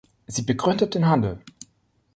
Sie begründet den Handel.